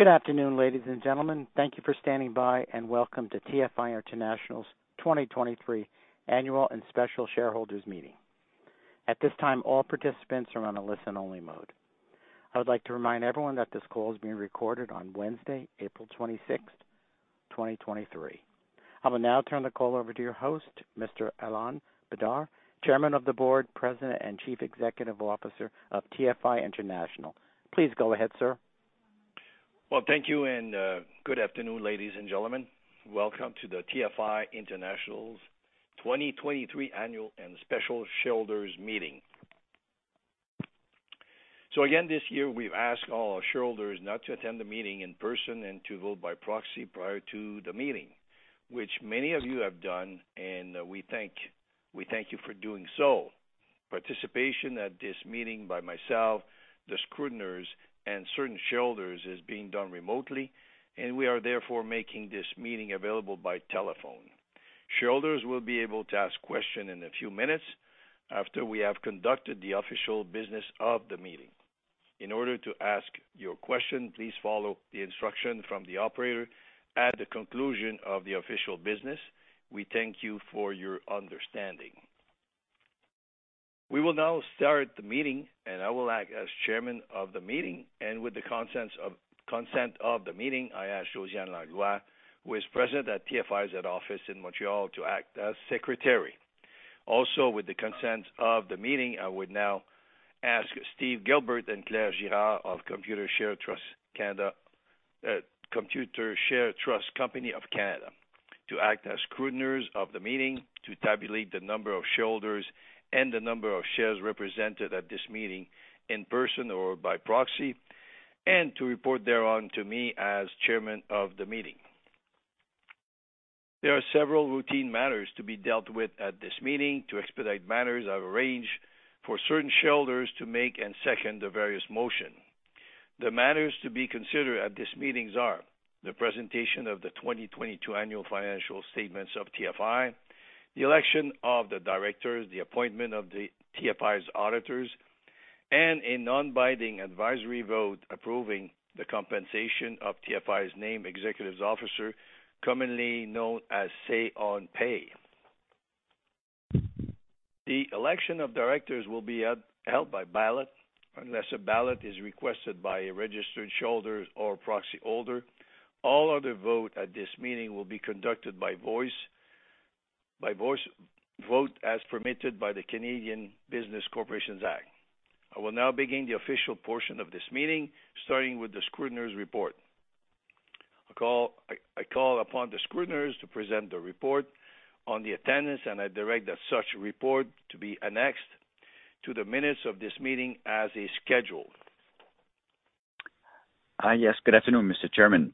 Good afternoon, ladies and gentlemen. Thank you for standing by, and welcome to TFI International's 2023 Annual and Special Shareholders Meeting. At this time, all participants are on a listen-only mode. I would like to remind everyone that this call is being recorded on Wednesday, April 26th, 2023. I will now turn the call over to your host, Mr. Alain Bédard, Chairman of the Board, President, and Chief Executive Officer of TFI International. Please go ahead, sir. Well, thank you, good afternoon, ladies and gentlemen. Welcome to the TFI International's 2023 Annual and Special Shareholders Meeting. Again, this year, we've asked all our shareholders not to attend the meeting in person and to vote by proxy prior to the meeting, which many of you have done, and we thank you for doing so. Participation at this meeting by myself, the scrutineers, and certain shareholders is being done remotely. We are therefore making this meeting available by telephone. Shareholders will be able to ask questions in a few minutes after we have conducted the official business of the meeting. In order to ask your question, please follow the instructions from the operator at the conclusion of the official business. We thank you for your understanding. We will now start the meeting. I will act as chairman of the meeting. With the consent of the meeting, I ask Josiane Langlois, who is present at TFI International's head office in Montreal, to act as secretary. Also, with the consent of the meeting, I would now ask Steve Gilbert and Claire Girard of Computershare Trust Company of Canada to act as scrutineers of the meeting to tabulate the number of shareholders and the number of shares represented at this meeting in person or by proxy and to report thereon to me as chairman of the meeting. There are several routine matters to be dealt with at this meeting. To expedite matters, I've arranged for certain shareholders to make and second the various motion. The matters to be considered at these meetings are the presentation of the 2022 annual financial statements of TFI, the election of the directors, the appointment of the TFI's auditors, and a non-binding advisory vote approving the compensation of TFI's named executives officer, commonly known as say on pay. The election of directors will be held by ballot unless a ballot is requested by a registered shareholder or proxy holder. All other vote at this meeting will be conducted by voice vote as permitted by the Canada Business Corporations Act. I will now begin the official portion of this meeting, starting with the scrutineers report. I call upon the scrutineers to present the report on the attendance, and I direct that such report to be annexed to the minutes of this meeting as is scheduled. Hi. Yes, good afternoon, Mr. Chairman.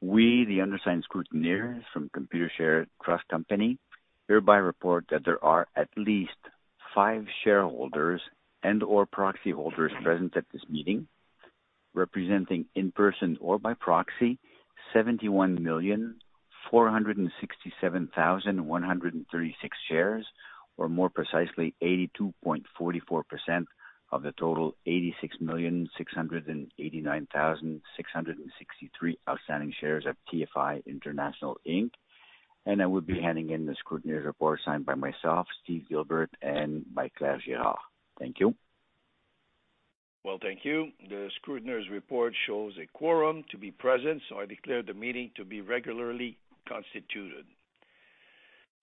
We, the undersigned scrutineers from Computershare Trust Company, hereby report that there are at least five shareholders and/or proxy holders present at this meeting, representing, in person or by proxy, 71,467,136 shares, or more precisely, 82.44% of the total 86,689,663 outstanding shares of TFI International Inc. I will be handing in the scrutineers report signed by myself, Steve Gilbert, and by Claire Girard. Thank you. Thank you. The scrutineers report shows a quorum to be present, so I declare the meeting to be regularly constituted.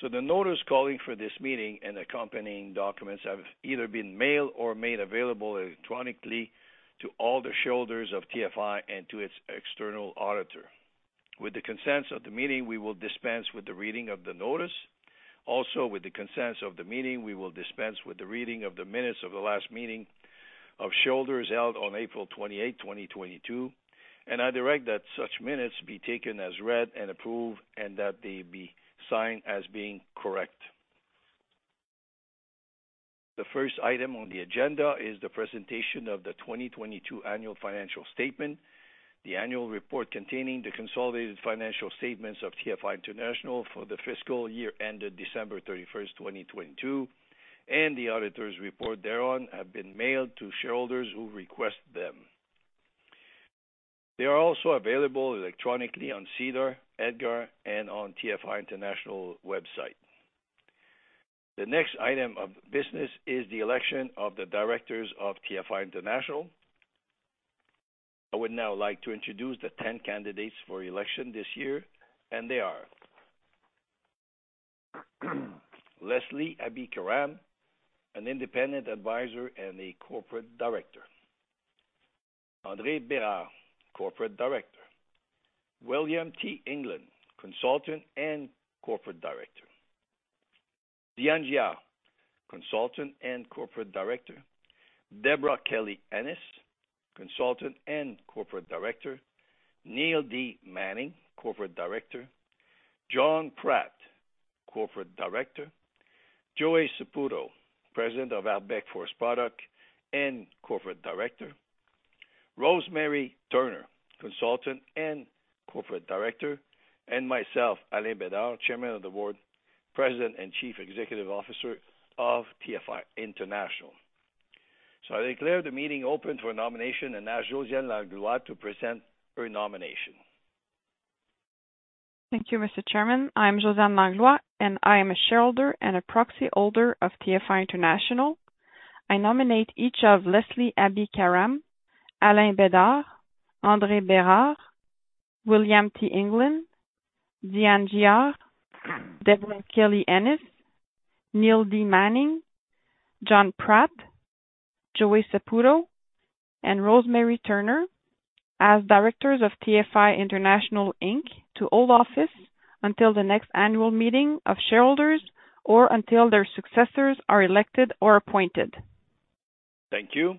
The notice calling for this meeting and accompanying documents have either been mailed or made available electronically to all the shareholders of TFI and to its external auditor. With the consent of the meeting, we will dispense with the reading of the notice. With the consent of the meeting, we will dispense with the reading of the minutes of the last meeting of shareholders held on April 28, 2022, and I direct that such minutes be taken as read and approved and that they be signed as being correct. The first item on the agenda is the presentation of the 2022 annual financial statement. The annual report containing the consolidated financial statements of TFI International for the fiscal year ended December 31st, 2022, and the auditor's report thereon have been mailed to shareholders who request them. They are also available electronically on SEDAR, EDGAR, and on TFI International website. The next item of business is the election of the directors of TFI International. I would now like to introduce the 10 candidates for election this year. They are Leslie Abi-Karam, an independent advisor and a corporate director. André Bérard, corporate director. William T. England, consultant and corporate director. Diane Giard, consultant and corporate director. Debra Kelly-Ennis, consultant and corporate director. Neil D. Manning, corporate director. John Pratt, corporate director. Joey Saputo, president of Quebec Forest Products and corporate director. Rosemary Turner, consultant and corporate director. Myself, Alain Bédard, Chairman of the Board, President, and Chief Executive Officer of TFI International. I declare the meeting open for nomination and ask Josiane Langlois to present her nomination. Thank you, Mr. Chairman. I'm Josiane Langlois, and I am a shareholder and a proxy holder of TFI International. I nominate each of Leslie Abi-Karam, Alain Bédard, André Bérard, William T. England, Diane Giard, Debra Kelly-Ennis, Neil D. Manning, John Pratt, Joey Saputo, and Rosemary Turner as directors of TFI International Inc. To hold office until the next annual meeting of shareholders, or until their successors are elected or appointed. Thank you.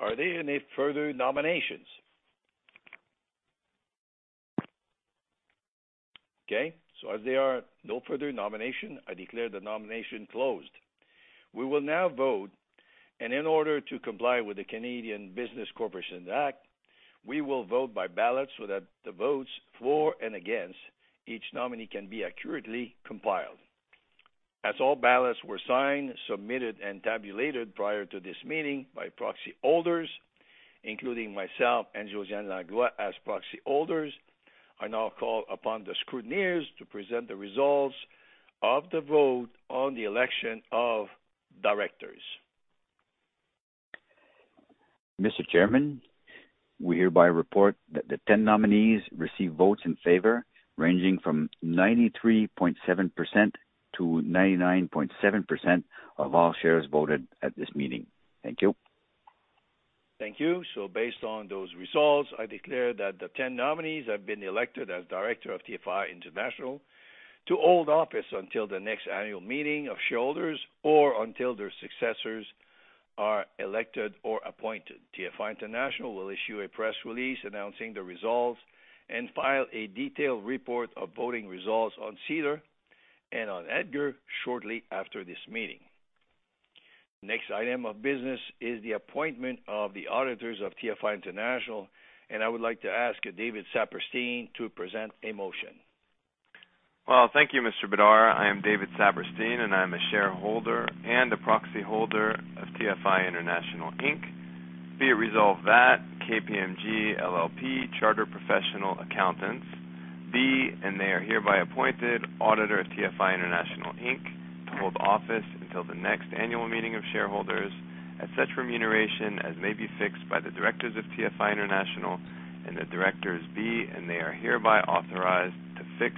Are there any further nominations? Okay, as there are no further nomination, I declare the nomination closed. We will now vote, in order to comply with the Canada Business Corporations Act, we will vote by ballot so that the votes for and against each nominee can be accurately compiled. As all ballots were signed, submitted, and tabulated prior to this meeting by proxy holders, including myself and Josiane Langlois as proxy holders, I now call upon the scrutineers to present the results of the vote on the election of directors. Mr. Chairman, we hereby report that the 10 nominees received votes in favor ranging from 93.7%-99.7% of all shares voted at this meeting. Thank you. Thank you. Based on those results, I declare that the 10 nominees have been elected as Director of TFI International to hold office until the next annual meeting of shareholders or until their successors are elected or appointed. TFI International will issue a press release announcing the results and file a detailed report of voting results on SEDAR and on EDGAR shortly after this meeting. Next item of business is the appointment of the auditors of TFI International, and I would like to ask David Saperstein to present a motion. Thank you, Mr. Bédard. I am David Saperstein, and I am a shareholder and a proxy holder of TFI International Inc. Be it resolved that KPMG LLP Chartered Professional Accountants be, and they are hereby appointed auditor of TFI International Inc. To hold office until the next annual meeting of shareholders at such remuneration as may be fixed by the directors of TFI International and the directors be, and they are hereby authorized to fix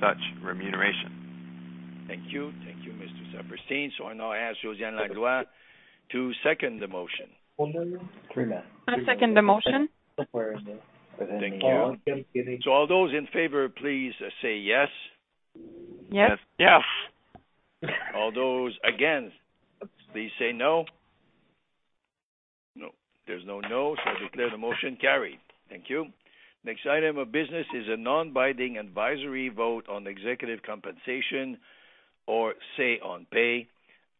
such remuneration. Thank you. Thank you, Mr. Saperstein. I now ask Josiane Langlois to second the motion. I second the motion. Thank you. All those in favor, please say yes. Yes. All those against, please say no. No, there's no no. I declare the motion carried. Thank you. Next item of business is a non-binding advisory vote on executive compensation or say on pay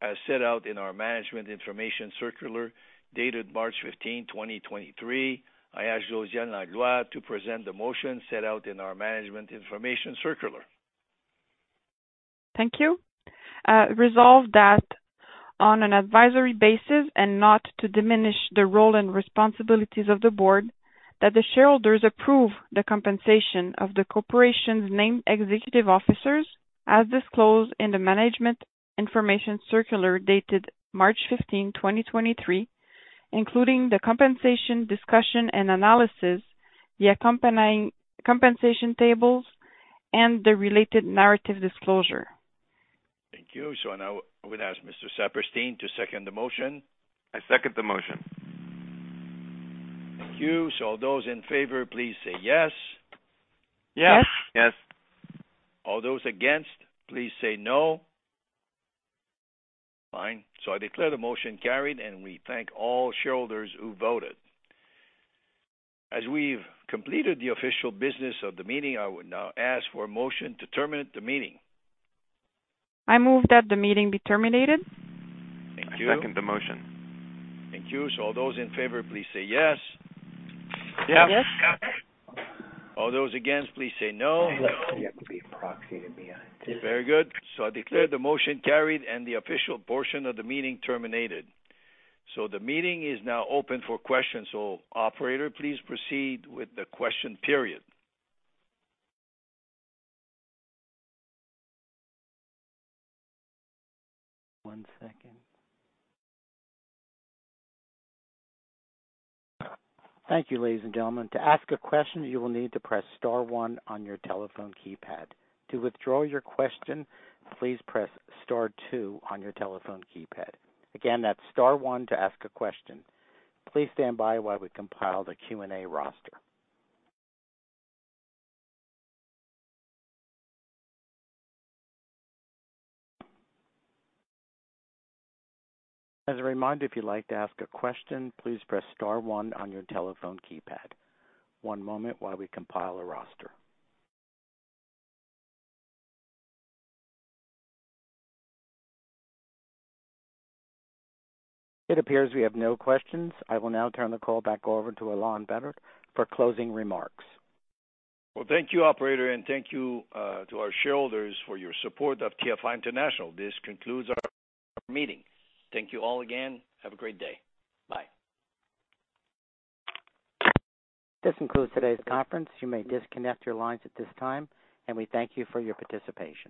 as set out in our management information circular dated March 15, 2023. I ask Josiane Langlois to present the motion set out in our management information circular. Thank you. resolve that on an advisory basis and not to diminish the role and responsibilities of the Board that the shareholders approve the compensation of the corporation's named executive officers as disclosed in the Management Information Circular dated March 15, 2023, including the Compensation Discussion and Analysis, the accompanying compensation tables and the related narrative disclosure. Thank you. Now I would ask Mr. Saperstein to second the motion. I second the motion. Thank you. All those in favor, please say yes. Yes. Yes. All those against, please say no. Fine. I declare the motion carried, and we thank all shareholders who voted. As we've completed the official business of the meeting, I would now ask for a motion to terminate the meeting. I move that the meeting be terminated. I second the motion. Thank you. All those in favor, please say yes. Yes. Yes. All those against, please say no. Very good. I declare the motion carried and the official portion of the meeting terminated. The meeting is now open for questions. Operator, please proceed with the question period. One second. Thank you, ladies and gentlemen. To ask a question, you will need to press star one on your telephone keypad. To withdraw your question, please press star two on your telephone keypad. Again, that's star one to ask a question. Please stand by while we compile the Q&A roster. As a reminder, if you'd like to ask a question, please press star one on your telephone keypad. One moment while we compile a roster. It appears we have no questions. I will now turn the call back over to Alain Bédard for closing remarks. Thank you, operator, and thank you to our shareholders for your support of TFI International. This concludes our meeting. Thank you all again. Have a great day. Bye. This concludes today's conference. You may disconnect your lines at this time, and we thank you for your participation.